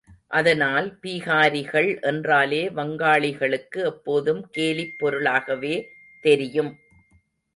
அதனால், பீகாரிகள் என்றாலே வங்காளிகளுக்கு எப்போதும் கேலிப் பொருளாகவே தெரியும்.